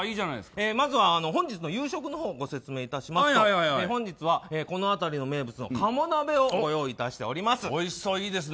まずは本日の夕食のほうをご説明いたしますと本日は、この辺りの名物の鴨鍋をおいしそう、いいですね。